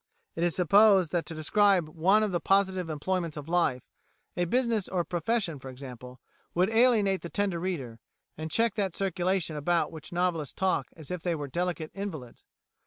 "It is supposed that to describe one of the positive employments of life a business or a profession for example would alienate the tender reader, and check that circulation about which novelists talk as if they were delicate invalids.